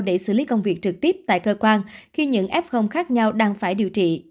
để xử lý công việc trực tiếp tại cơ quan khi những f khác nhau đang phải điều trị